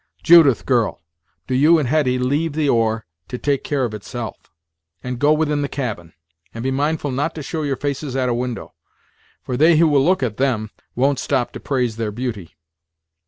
Judith, girl, do you and Hetty leave the oar to take care of itself; and go within the cabin; and be mindful not to show your faces at a window; for they who will look at them won't stop to praise their beauty.